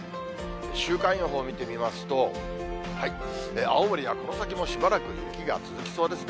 週間予報を見てみますと、青森は、この先もしばらく雪が続きそうですね。